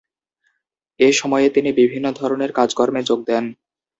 এ সময়ে তিনি বিভিন্ন ধরনের কাজ-কর্মে যোগ দেন।